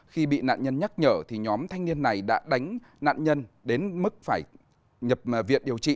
khi bị nạn nhân nhắc nhở thì nhóm thanh niên này đã đánh nạn nhân đến mức phải nhập viện điều trị